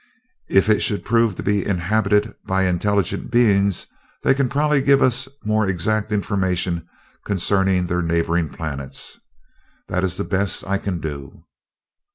If it should prove to be inhabited by intelligent beings, they can probably give us more exact information concerning their neighboring planets. That is the best I can do."